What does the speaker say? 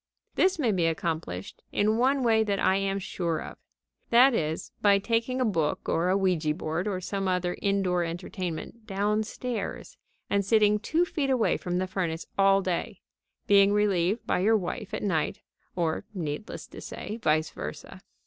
This may be accomplished in one way that I am sure of. That is, by taking a book, or a ouija board, or some other indoor entertainment downstairs and sitting two feet away from the furnace all day, being relieved by your wife at night (or, needless to say, vice versa).